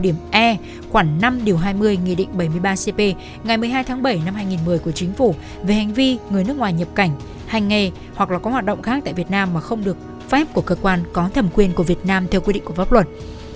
điểm e khoảng năm điều hai mươi nghị định bảy mươi ba cp ngày một mươi hai tháng bảy năm hai nghìn một mươi của chính phủ về hành vi người nước ngoài nhập cảnh hành nghề hoặc là có hoạt động khác tại việt nam mà không được phép của cơ quan có thẩm quyền của việt nam theo quy định của pháp luật